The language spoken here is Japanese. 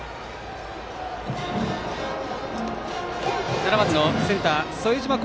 ７番のセンター副島宏